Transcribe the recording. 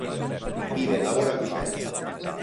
Vive e lavora a Vicenza.